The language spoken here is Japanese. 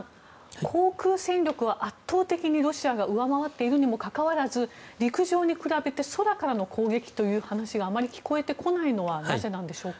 航空戦力は圧倒的にロシアが上回っているにもかかわらず陸上に比べて空からの攻撃という話があまり聞こえてこないのはなぜでしょうか。